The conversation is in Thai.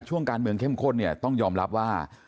ช่วงการเมืองเข้มข้นเนี่ยต้องยอมรับว่า